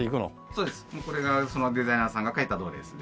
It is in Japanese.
そうですこれがデザイナーさんが描いたドレスで。